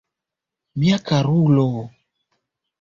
Mia karulo!